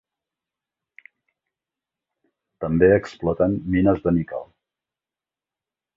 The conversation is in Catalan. També exploten mines de níquel.